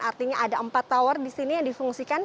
artinya ada empat tower di sini yang difungsikan